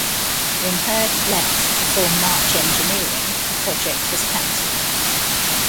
When Herd left to form March Engineering, the project was cancelled.